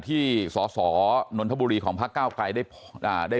ที่สสนทบุรีของพเก้าไกลได้โพสต์เอาไว้